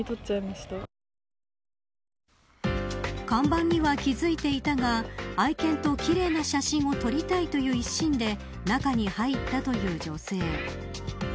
看板には気付いていたが愛犬と奇麗な写真を撮りたいという一心で中に入ったという女性。